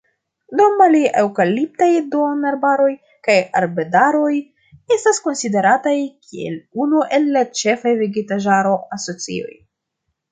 Do mali-eŭkaliptaj duonarbaroj kaj arbedaroj estas konsiderataj kiel unu el la ĉefaj vegetaĵaro-asocioj.